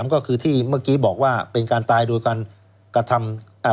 ก็คือที่เมื่อกี้บอกว่าเป็นการตายโดยการกระทำ